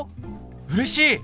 うれしい！